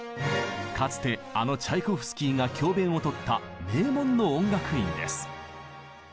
かつてあのチャイコフスキーが教べんを執った名門の音楽院です。